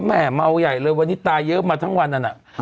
แม่เมาใหญ่เลยวันนี้ตายเยอะมาทั้งวันนั้น